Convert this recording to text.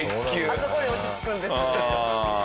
あそこに落ち着くんですね。